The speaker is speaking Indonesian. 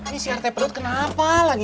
ini si arteperut kenapa lagi ya